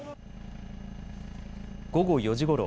午後４時ごろ